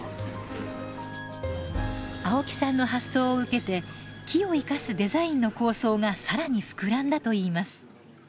青木さんの発想を受けて木を生かすデザインの構想が更に膨らんだといいます。